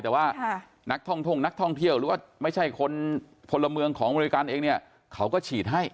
แต่ว่านักท่องท่งนักท่องเที่ยวหรือว่าไม่ใช่คนพลเมืองของอเมริกันเองเนี่ยเขาก็ฉีดให้